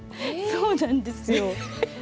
そうなんですよ。